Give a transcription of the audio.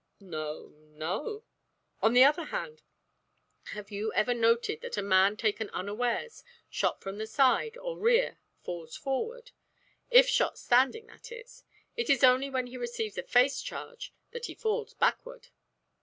"No, no." "On the other hand, have you ever noted that a man taken unawares, shot from the side, or rear, falls forward? If shot standing, that is. It is only when he receives a face charge that he falls backward."